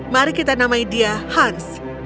mari kita namai dia hans